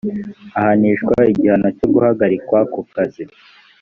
ahanishwa igihano cyo guhagarikwa ku kazi